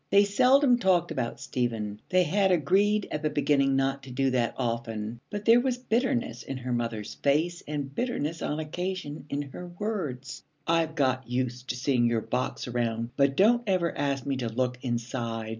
They seldom talked about Stephen. They had agreed at the beginning not to do that often, but there was bitterness in her mother's face and bitterness on occasion in her words. 'I've got used to seeing your box around, but don't ever ask me to look inside.'